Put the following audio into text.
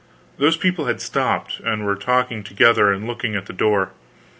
Those people had stopped, and were talking together and looking in at the door.